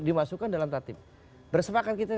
dimasukkan dalam tatib bersepakat kita